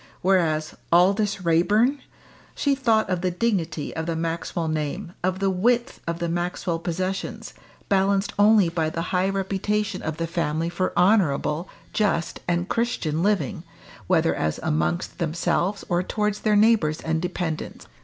Whereas Aldous Raeburn! she thought of the dignity of the Maxwell name, of the width of the Maxwell possessions, balanced only by the high reputation of the family for honourable, just and Christian living, whether as amongst themselves or towards their neighbours and dependents.